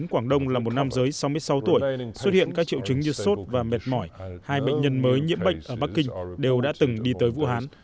các triệu chứng như sốt và mệt mỏi hai bệnh nhân mới nhiễm bệnh ở bắc kinh đều đã từng đi tới vũ hán